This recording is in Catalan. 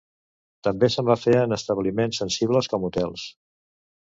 També se'n van fer en establiments sensibles com hotels.